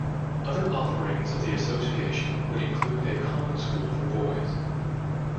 Other offerings of the association would include a common school for boys.